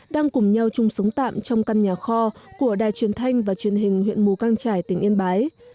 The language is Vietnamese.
đang cùng nhau chung sống tạm trong căn nhà kho của đài truyền thanh và truyền hình huyện mù căng trải tỉnh yên bái